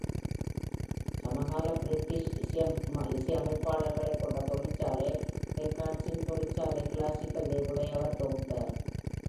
சமகால பிரிட்டிஷ் இசையமைப்பாளர்களைக் கொண்ட தொழிற்சாலை ரெக்கார்ட்ஸின் தொழிற்சாலை கிளாசிக்கல் லேபிளை அவர் தொகுத்தார்.